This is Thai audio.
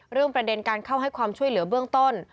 ประเด็นการเข้าให้ความช่วยเหลือเบื้องต้น